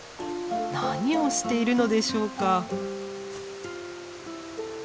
何をしているのでしょうか。